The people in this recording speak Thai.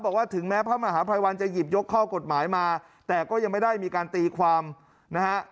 บอกว่าถึงแม้พระมหาภัยวันจะหยิบยกข้อกฎหมายมาแต่ก็ยังไม่ได้มีการตีความนะฮะ